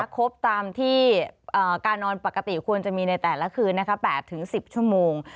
ครบตามที่การนอนปกติควรจะมีในแต่ละคืน๘๑๐ชั่วโมง